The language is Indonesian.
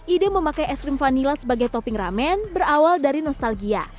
ide memakai es krim vanila sebagai topping ramen berawal dari nostalgia